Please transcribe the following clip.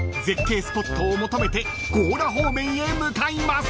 スポットを求めて強羅方面へ向かいます］